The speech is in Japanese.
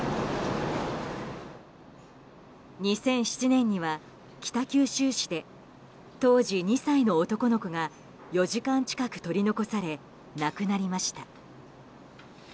２００７年には北九州市で当時２歳の男の子が４時間近く取り残され亡くなりました。